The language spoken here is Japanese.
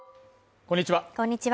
こんにちは